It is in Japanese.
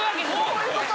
・そういうこと？